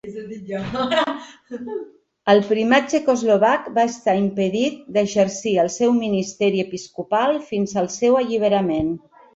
El Primat txecoslovac va estar impedit d'exercir el seu ministeri episcopal fins al seu alliberament.